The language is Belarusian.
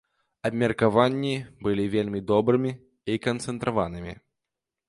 Абмеркаванні былі вельмі добрымі і канцэнтраванымі.